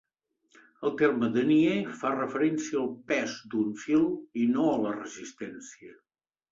El terme "denier" fa referència al pes d'un fil, i no a la resistència.